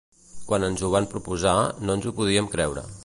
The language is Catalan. Quan ens ho van posposar no ens ho podíem creure.